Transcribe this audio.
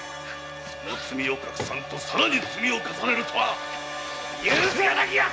その罪を隠さんとさらに罪を重ねるとは許し難きヤツ